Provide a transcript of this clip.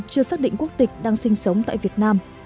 chưa xác định quốc tịch đang sinh sống tại việt nam